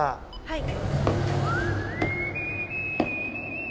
はい。